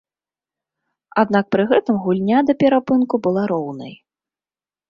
Аднак пры гэтым гульня да перапынку была роўнай.